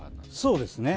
そうですね。